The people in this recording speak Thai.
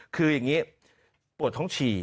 คืออย่างนี้ปวดท้องฉี่